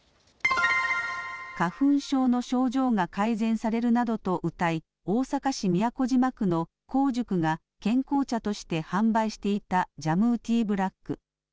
花粉症の症状が改善されるなどとうたい大阪市都島区の香塾が健康茶として販売していたジャムー・ティー・ブラック。